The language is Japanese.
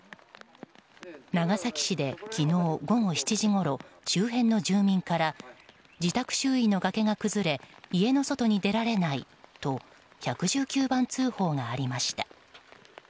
長崎市で昨日午後７時ごろ周辺の住民から自宅周囲の崖が崩れ家の外に出られないと１１９番通報がありました。